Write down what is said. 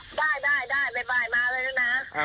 ได้บ๊ายบายมาได้ด้วยนะ